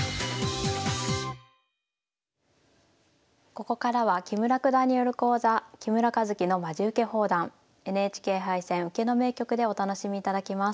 ここからは木村九段による講座「木村一基のまじウケ放談ＮＨＫ杯戦・受けの名局」でお楽しみいただきます。